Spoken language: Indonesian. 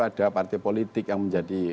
ada partai politik yang menjadi